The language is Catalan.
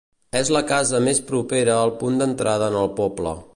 És la casa més propera al punt d'entrada en el poble.